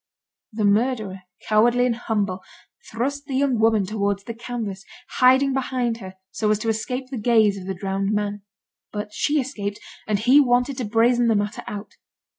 The murderer, cowardly and humble, thrust the young woman towards the canvas, hiding behind her, so as to escape the gaze of the drowned man. But she escaped, and he wanted to brazen the matter out.